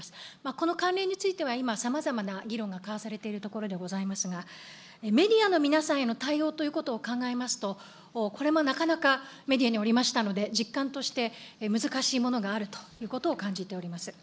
この慣例については、今、さまざまな議論が交わされているところでございますが、メディアの皆さんへの対応ということを考えますと、これもなかなかメディアにおりましたので、実感として難しいものがあるということを感じております。